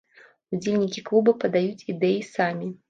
Удзельнікі клуба падаюць ідэі самі.